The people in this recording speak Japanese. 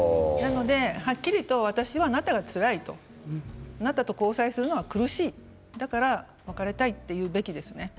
はっきりと私は、あなたがつらいあなたと交際するのは苦しいだから別れたいと言うべきですね。